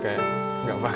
pernah nggak pernah